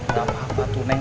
gak apa apa tuh neng